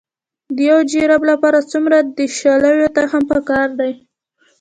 د یو جریب لپاره څومره د شالیو تخم پکار دی؟